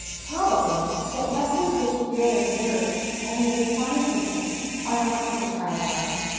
Probably : but' lessons which deal with words, only the signs of things, are not what the child wants.